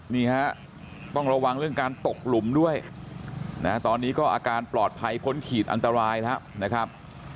นี่ฮะต้องระวังเรื่องการตกหลุมด้วยนะตอนนี้ก็อาการปลอดภัยพ้นขีดอันตรายแล้วนะครับ